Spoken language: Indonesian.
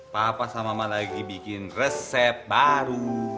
papa sama mama lagi bikin resep baru